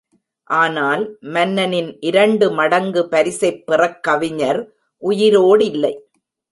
ஆனால், மன்னனின் இரண்டு மடங்கு பரிசைப் பெறக் கவிஞர் உயிரோடில்லை.